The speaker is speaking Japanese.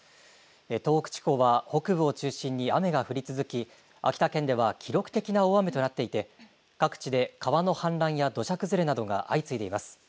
東北地方は北部を中心に雨が降り続き秋田県では記録的な大雨となっていて各地で川の氾濫や土砂崩れなどが相次いでいます。